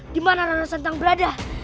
dimana rara santang berada